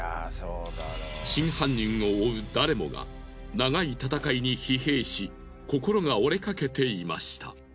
真犯人を追う誰もが長い戦いに疲弊し心が折れかけていました。